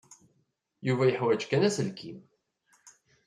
Yuba yeḥwaj kan aselkim.